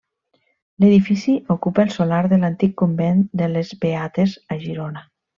L'edifici ocupa el solar de l'antic convent de les Beates, a Girona.